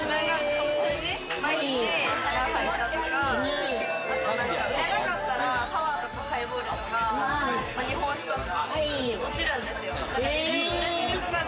毎日何杯売ったとか、売れなかったらサワーとかハイボールとか日本酒とか落ちるんですよ。